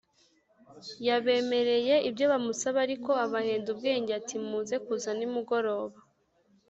Yabemereye ibyo bamusabaga, ariko abahenda ubwenge ati muze kuza nimugoroba